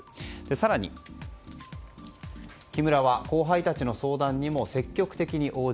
更に、木村は後輩たちの相談にも積極的に応じ